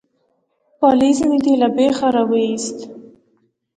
_پالېز مې دې له بېخه را وايست.